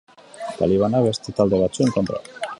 Talibanak beste talde batzuen kontra.